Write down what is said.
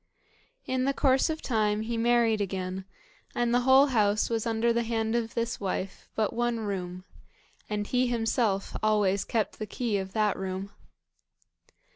In the course of time he married again, and the whole house was under the hand of this wife but one room, and he himself always kept the key of that room.